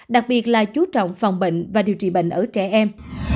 đặc biệt là chú trọng phòng bệnh và điều trị bệnh ở trẻ em